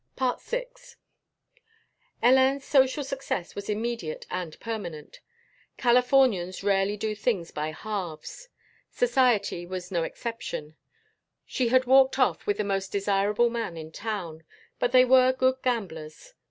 VI Hélène's social success was immediate and permanent. Californians rarely do things by halves. Society was no exception. She had "walked off" with the most desirable man in town, but they were good gamblers.